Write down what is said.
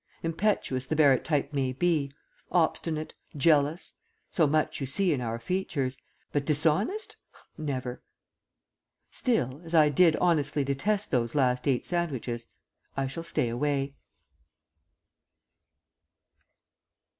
Impetuous the Barrett type may be, obstinate, jealous so much you see in our features. But dishonest? Never! Still, as I did honestly detest those last eight sandwiches, I shall stay away.